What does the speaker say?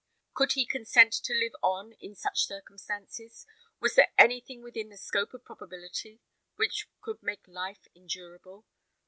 Could he consent to live on in such circumstances? Was there anything within the scope of probability which could make life endurable?